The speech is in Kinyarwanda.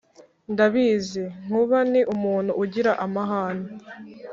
ndabizi, Nkuba ni umuntu ugira amahane,